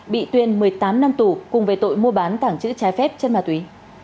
bị tuyên một mươi tám năm tù cùng với tội mua bán tảng chữ trái phép chân ma túy